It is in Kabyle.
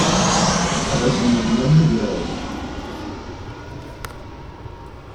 Ad as-nnḍen am ugraw.